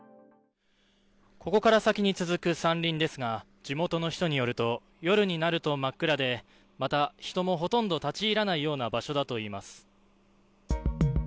ここから先に続く山林ですが地元の人によると夜になると真っ暗でまた、人もほとんど立ち入らないような場所だといいます。